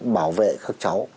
bảo vệ các cháu